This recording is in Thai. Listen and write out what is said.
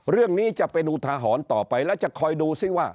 เรื่องนี้จะเป็นอุทาหรณ์ต่อไปแล้วจะคอยดูซิว่า